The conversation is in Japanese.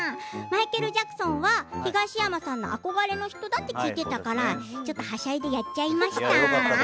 マイケル・ジャクソンは東山さんの憧れの人だと聞いていたからちょっとはしゃいでやっちゃいました。